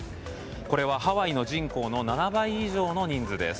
これはハワイの人口の７倍以上の人数です。